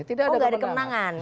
tidak ada kemenangan